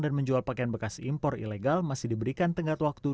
dan menjual pakaian bekas impor ilegal masih diberikan tengkat waktu